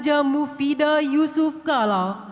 engkau ku berkata